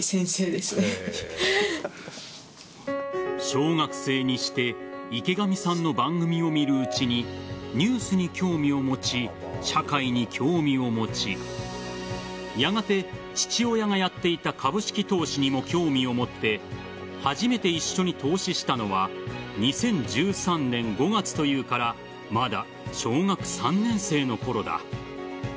小学生にして池上さんの番組を見るうちにニュースに興味を持ち社会に興味を持ちやがて、父親がやっていた株式投資にも興味を持って初めて一緒に投資したのは２０１３年５月というからまだ小学３年生の頃だ。